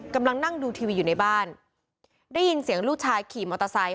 กำลังนั่งดูทีวีอยู่ในบ้านได้ยินเสียงลูกชายขี่มอเตอร์ไซค